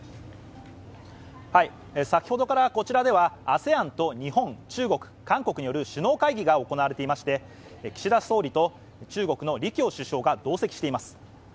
先ほどからこちらではＡＳＥＡＮと日本、中国、韓国による首脳会議が行われていまして、岸田総理と中国の李強首相が同席しています。